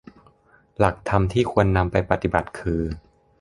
หลักธรรมที่ควรนำไปปฏิบัติคือ